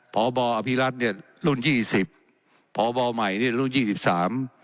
พบอภิรัตนเนี่ยรุ่นยี่สิบพบใหม่เนี่ยรุ่นยี่สิบสาม